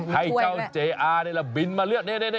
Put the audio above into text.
ให้เจ้าเจอร์ละบินมาเลือก